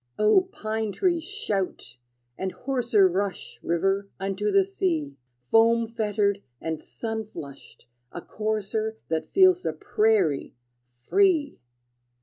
O pine tree, shout! And hoarser Rush, river, unto the sea, Foam fettered and sun flushed, a courser That feels the prairie, free!